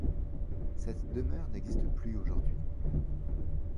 Cette demeure n'existe plus aujourd'hui.